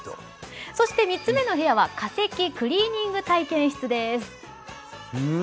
そして３つ目の部屋は化石クリーニング体験室です。